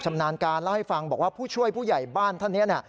ชำนาญการเล่าให้ฟังบอกว่าผู้ช่วยผู้ใหญ่บ้านท่านเนี่ย